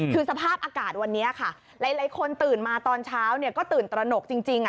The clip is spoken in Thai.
คือสภาพอากาศวันนี้ค่ะหลายคนตื่นมาตอนเช้าก็ตื่นตระหนกจริง